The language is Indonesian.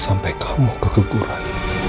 sampai kamu keguguran